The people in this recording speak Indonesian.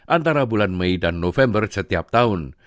antara bulan mei dan november setiap tahun